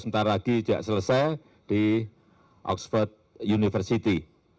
sebentar lagi juga selesai di oxford university